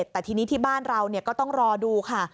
แต่ทีนี้ที่บ้านเราก็ต้องรอดูค่ะ